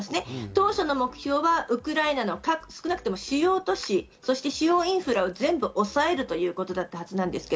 当初の目標はウクライナの、少なくとも主要都市、主要インフラを全部を抑えるということだったはずです。